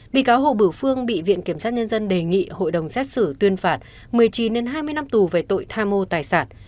bị cáo hồ bửu phương bị viện kiểm sát nhân dân đề nghị hội đồng xét xử tuyên phạt một mươi chín hai mươi năm tù về tội tham mô tài sản